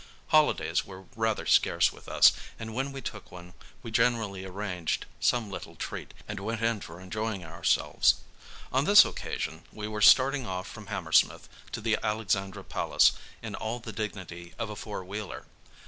Holidays were rather scarce with us, and when we took one we generally arranged some little treat, and went in for enjoying ourselves. On this occasion we were starting off from Hammersmith to the Alexandra Palace in all the dignity of a four wheeler.